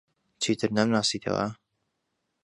چیتر نامناسیتەوە؟